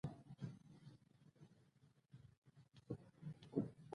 له دې ویلو سره په ژړا شول، مېرمن ډېره خپه شوه.